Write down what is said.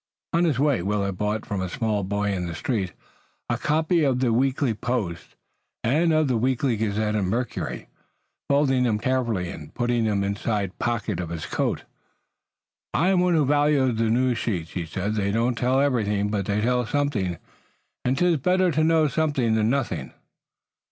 On his way Willet bought from a small boy in the street a copy each of the Weekly Post Boy and of the Weekly Gazette and Mercury, folding them carefully and putting them in an inside pocket of his coat. "I am one to value the news sheets," he said. "They don't tell everything, but they tell something and 'tis better to know something than nothing.